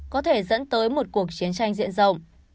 có thể dẫn tới một cuộc chiến tranh diện rộng